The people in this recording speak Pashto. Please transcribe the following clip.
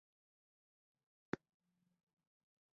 ځغستل یې، بل شاژور مې ډکاوه، چې هم را ورسېد.